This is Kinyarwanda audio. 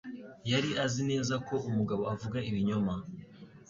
Yari azi neza ko umugabo avuga ibinyoma.